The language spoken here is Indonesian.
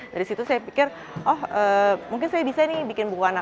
dari situ saya pikir oh mungkin saya bisa nih bikin buku anak